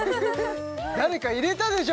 誰か入れたでしょ